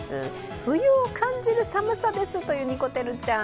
冬を感じる寒さですというにこてるちゃん。